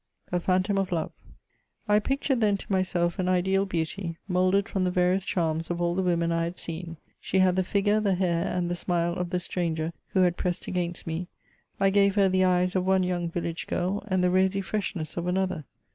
A PHANTOM OF LOVE. I pictured then to myself an ideal beauty, moulded from the various charms of all the women I had seen : she had the figure, the hair, and the smile of the stranger who had pressed against me ; I gave her the eyes of one young village girl, and the rosy freshness of another.